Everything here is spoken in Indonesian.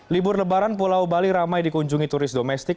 libur lebaran pulau bali ramai dikunjungi turis domestik